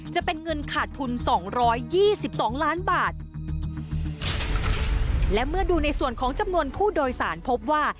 จะเป็นเงินขาดทุนสองร้อยยี่สิบสองล้านบาทและเมื่อดูในส่วนของจำนวนผู้โดยสารพบว่า